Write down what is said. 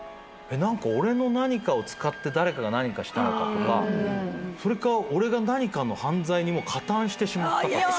「俺の何かを使って誰かが何かしたのか？」とかそれか「俺が何かの犯罪に加担してしまったか？」とか。